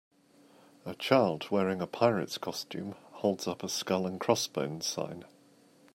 A child wearing a pirates costume holds up a skull and crossbones sign.